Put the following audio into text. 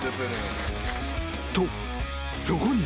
［とそこに］